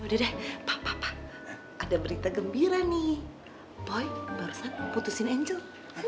udah deh papa ada berita gembira nih boy barusan putusin angel